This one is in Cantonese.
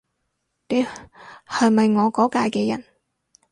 屌，係咪我嗰屆嘅人